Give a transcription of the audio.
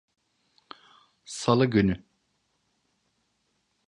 Salı günü.